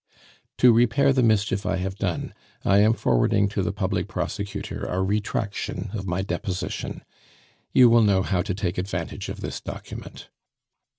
"To repair the mischief I have done, I am forwarding to the public prosecutor a retraction of my deposition. You will know how to take advantage of this document.